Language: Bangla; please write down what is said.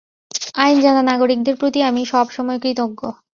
আইন জানা নাগরিকদের প্রতি আমি সবসময় কৃতজ্ঞ।